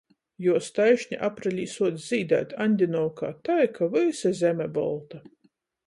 Juos taišni aprelī suoc zīdēt Aņdiņovkā tai, ka vysa zeme bolta.